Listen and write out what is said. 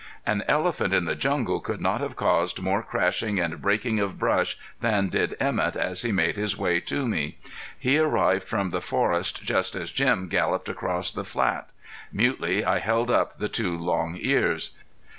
An elephant in the jungle could not have caused more crashing and breaking of brush than did Emett as he made his way to me. He arrived from the forest just as Jim galloped across the flat. Mutely I held up the two long ears.